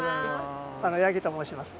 八木と申します。